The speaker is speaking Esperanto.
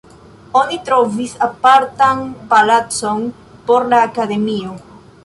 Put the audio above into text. Oni trovis apartan palacon por la akademio.